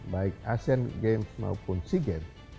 baik asean games maupun sea games